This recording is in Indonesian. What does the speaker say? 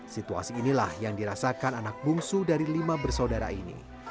situasi inilah yang dirasakan anak bungsu dari lima bersaudara ini